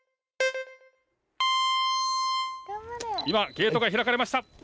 今ゲートが開かれました。